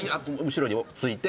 後ろについて。